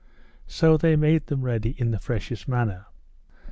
So they made them ready in the freshest manner.